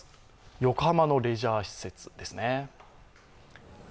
横浜のレジャー施設です。